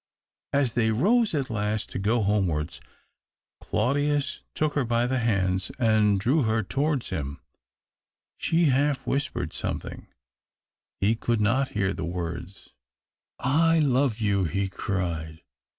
As they rose, at last, to go homewards, Claudius took her by the hands and drew her towards him. She half whispered some thins — he could not hear the words. 266 THE OCTAVE OF CLAUDIUS. " I love you !" he cried.